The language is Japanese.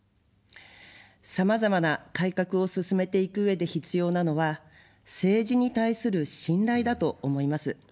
さまざまな改革を進めていくうえで必要なのは政治に対する信頼だと思います。